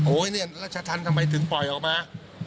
เนี่ยรัชธรรมทำไมถึงปล่อยออกมา